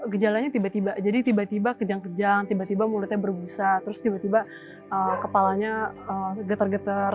gejalanya tiba tiba jadi tiba tiba kejang kejang tiba tiba mulutnya berbusa terus tiba tiba kepalanya getar getar